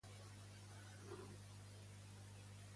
De què va feinejar a l'últim?